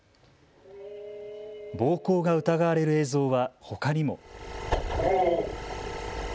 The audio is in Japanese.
暴行が疑われる映像はほかにも。